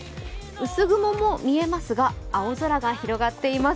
薄雲も見えますが、青空が広がっています。